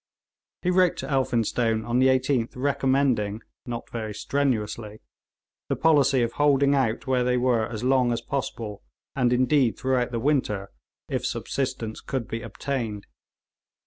He wrote to Elphinstone on the 18th recommending, not very strenuously, the policy of holding out where they were as long as possible, and indeed throughout the winter, if subsistence could be obtained.